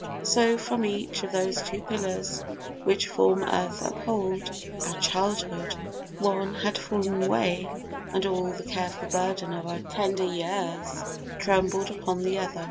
So from each Of those two pillars which from earth uphold Our childhood, one had fall'n away, and all The careful burthen of our tender years Trembled upon the other.